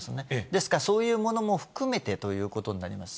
ですから、そういうものも含めてということになります。